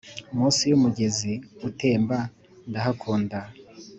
munsi yumugezi utemba ndahakunda,